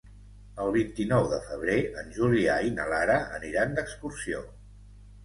El vint-i-nou de febrer en Julià i na Lara aniran d'excursió.